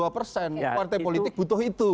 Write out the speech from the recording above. partai politik butuh itu